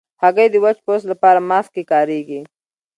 هګۍ د وچ پوست لپاره ماسک کې کارېږي.